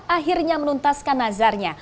akhirnya menuntaskan nazarnya